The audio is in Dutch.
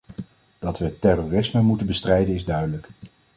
Dat we het terrorisme moeten bestrijden is duidelijk.